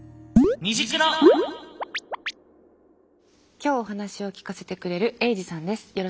今日お話を聞かせてくれるエイジさんです。